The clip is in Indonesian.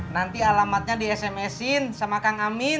nanti alamatnya di sms in sama kang amin